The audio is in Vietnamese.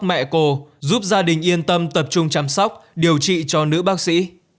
mẹ cô giúp gia đình yên tâm tập trung chăm sóc điều trị cho nữ bác sĩ